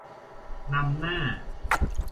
นำหน้า